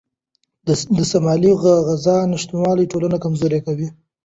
د سالمې غذا نشتوالی ټولنه کمزوري کوي.